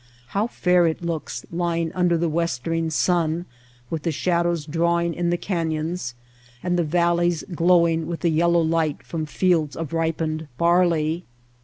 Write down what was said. How fair it looks lying under the westering sun with the shadows drawing in the canyons, and the valleys glowing with the yellow light from fields of ripened barley